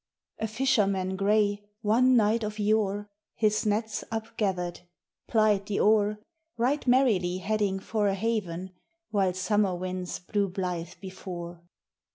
A FISHERMAN gray, one night of yore, His nets upgathered, plied the oar, Right merrily heading for a haven, While summer winds blew blithe before.